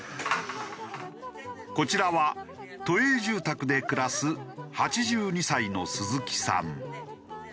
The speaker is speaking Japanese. こちらは都営住宅で暮らす８２歳の鈴木さん。